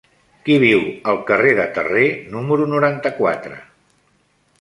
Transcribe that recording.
Qui viu al carrer de Terré número noranta-quatre?